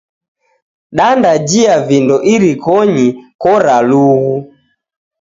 Dandajia vindo irikonyi koralughu!